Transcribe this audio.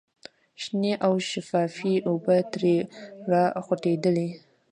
شنې او شفافې اوبه ترې را خوټکېدلې.